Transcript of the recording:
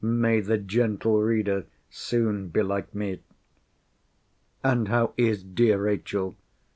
May the gentle reader soon be like me! And how is dear Rachel?